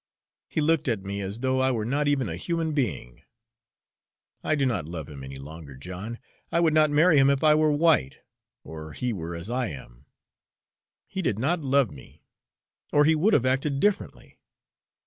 He looked at me as though I were not even a human being. I do not love him any longer, John; I would not marry him if I were white, or he were as I am. He did not love me or he would have acted differently.